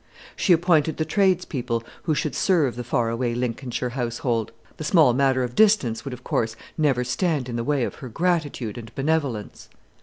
She appointed the tradespeople who should serve the far away Lincolnshire household; the small matter of distance would, of course, never stand in the way of her gratitude and benevolence.